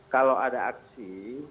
kalau ada aksi